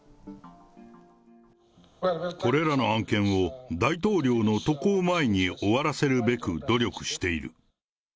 これらの案件を、大統領の渡航前に終わらせるべく努力している。